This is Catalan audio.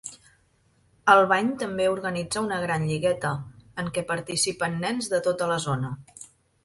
Albany també organitza una gran lligueta, en què participen nens de tota la zona.